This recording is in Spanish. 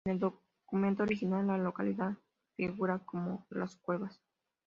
En el documento original, la localidad figura como Las Cuevas.